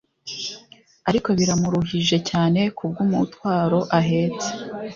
ariko biramuruhije cyane, ku bw’umutwaro ahetse